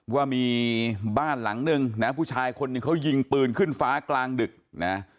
ว่ามีบ้านหลังนึงนะผู้ชายคนหนึ่งเขายิงปืนขึ้นฟ้ากลางดึกนะ